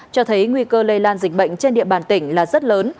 cho thấy nguy cơ lây lan dịch bệnh trên địa bàn tỉnh là rất lớn